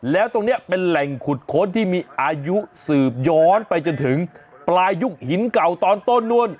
แล้วตรงนี้เป็นแหล่งขุดค้นที่มีอายุสืบย้อนไปจนถึงปลายุกหินเก่าตอนต้นนู่น